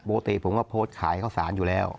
ปกติผมก็โพสต์ขายข้าวสารอยู่แล้ว